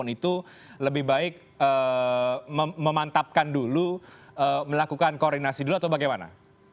itu lebih baik memantapkan dulu melakukan koordinasi dulu atau bagaimana